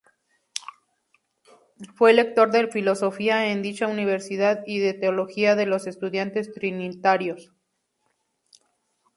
Fue lector de filosofía en dicha universidad y de teología de los estudiantes trinitarios.